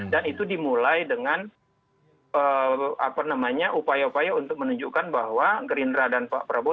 dan itu dimulai dengan upaya upaya untuk menunjukkan bahwa gerindra dan pak prabowo